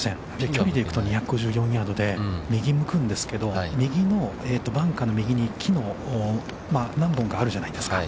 距離でいくと２５４ヤードで、右向くんですけど、右のバンカーの右に木が何本かあるじゃないですか。